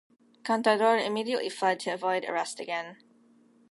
Cantador immediately fled to avoid arrest again.